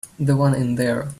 The one in there.